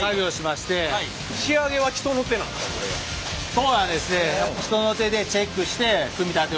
そうなんですね。